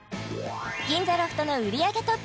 銀座ロフトの売り上げ